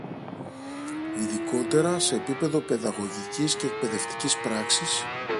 Ειδικότερα, σε επίπεδο παιδαγωγικής και εκπαιδευτικής πράξης